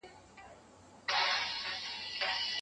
ټولنپوهنه د ټولنیز جوړښتونو په بدلیدو کې اساس لري.